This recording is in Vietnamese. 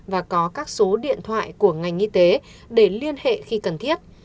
và có các số điện thoại của ngành y tế để liên hệ khi cần thiết